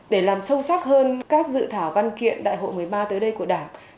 để làm sâu sắc hơn các dự thảo văn kiện đại hội một mươi ba tới đây của đảng